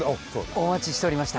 おまちしておりました。